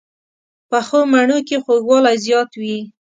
پخو مڼو کې خوږوالی زیات وي